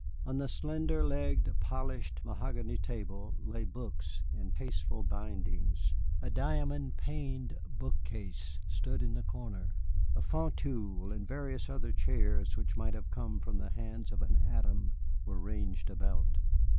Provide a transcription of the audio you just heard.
On the slender legged, polished mahogany table lay books in tasteful bindings; a diamond paned bookcase stood in the corner; a fauteuil and various other chairs which might have come from the hands of an Adam were ranged about.